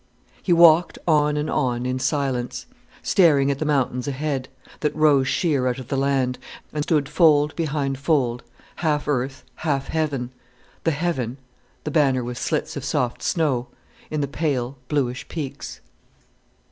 He walked on and on in silence, staring at the mountains ahead, that rose sheer out of the land, and stood fold behind fold, half earth, half heaven, the heaven, the banner with slits of soft snow, in the pale, bluish peaks.